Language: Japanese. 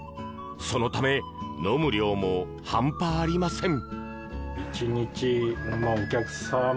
そのため飲む量も半端ありません。